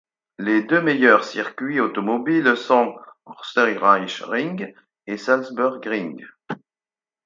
Les deux meilleurs circuits automobiles sont Österreichring et Salzburgring.